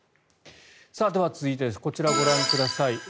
では、続いてこちらをご覧ください。